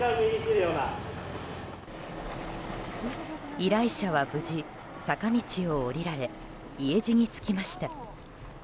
依頼者は無事、坂道を下りられ家路につきました。